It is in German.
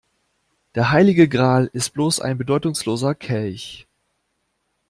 Der heilige Gral ist bloß ein bedeutungsloser Kelch.